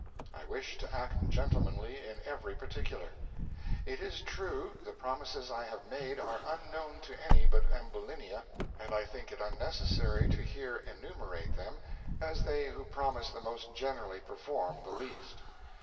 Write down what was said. I wish to act gentlemanly in every particular. It is true, the promises I have made are unknown to any but Ambulinia, and I think it unnecessary to here enumerate them, as they who promise the most generally perform the least.